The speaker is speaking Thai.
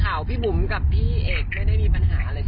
ข่าวพี่บุ๋มกับพี่เอกไม่ได้มีปัญหาอะไร